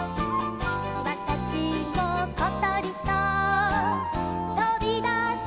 「わたしもことりととびだそう」